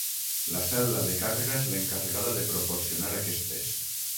La cel·la de càrrega és l'encarregada de proporcionar aquest pes.